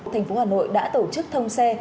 thành phố hà nội đã tổ chức thông xe